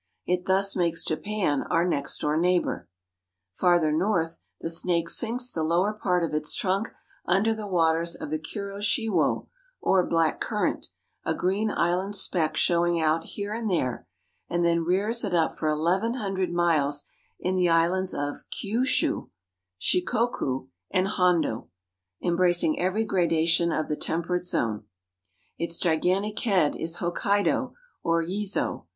It thus makes Japan our next door neighbor. Farther north the snike sinks the lower part of its trunk under the waters of the Kuroshiwo or Black Current, a green island speck showing out here and there, and then rears it up for eleven hundred miles in the islands of Kiushu (kyoo'shoo'), Shikoku (she'ko koo), and Hondo, embracing every gradation of the Temperate Zone. Its gigantic head is Hokkaido (h5k'ki do) or Yezo.